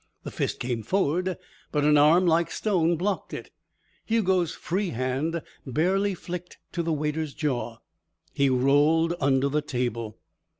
The fist came forward, but an arm like stone blocked it. Hugo's free hand barely flicked to the waiter's jaw. He rolled under the table.